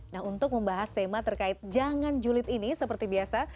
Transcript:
nah untuk membahas tema terkait jangan julid ini seperti biasa